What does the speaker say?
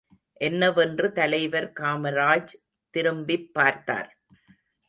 என்ன வென்று தலைவர் காமராஜ் திரும்பிப்பார்த்தார்.